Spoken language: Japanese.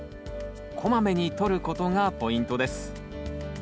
こまめにとることがポイントです。